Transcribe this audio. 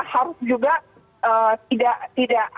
harus juga tidak mendiamkan atau tidak membiarkan itu